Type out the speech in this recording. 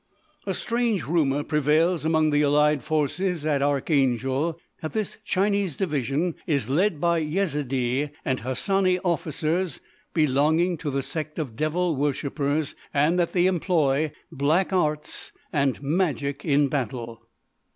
A strange rumour prevails among the Allied forces at Archangel that this Chinese division is led by Yezidee and Hassani officers belonging to the sect of devil worshipers and that they employ black arts and magic in battle.